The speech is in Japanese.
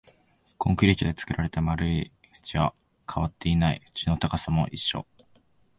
コンクリートで作られた丸い縁は変わっていない、縁の高さも一緒